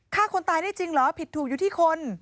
ฆ่าคนตายได้จริงเหรอผิดถูกอยู่ที่คน